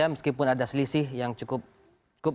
meskipun ada selisih yang cukup